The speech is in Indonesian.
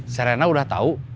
serena udah tau